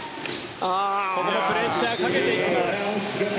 ここもプレッシャーをかけていきます。